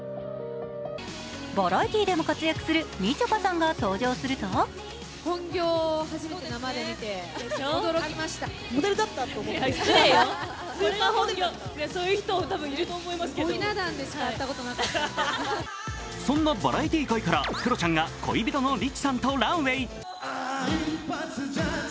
バラエティーでも活躍するみちょぱさんが登場するとそんなバラエティー界からクロちゃんが恋人のリチさんとランウェイ。